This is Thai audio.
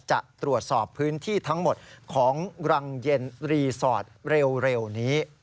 จะตรวจสอบพื้นที่ทั้งหมดของรังเย็นรีสอร์ทเร็วนี้